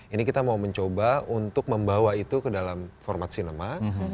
ini kita mau mencoba untuk membawa itu ke dalam format sinema